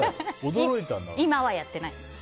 今はやってないです。